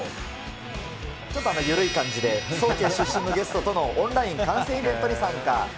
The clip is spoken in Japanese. ちょっと緩い感じで、出身のゲストとオンライン観戦イベントに参加。